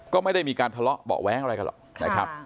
ก็ไม่ได้มีการทะเลาะเบาะแว้งอะไรกันหรอกนะครับ